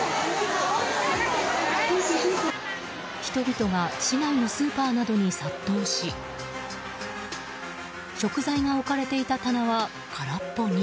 人々が市内のスーパーなどに殺到し食材が置かれていた棚は空っぽに。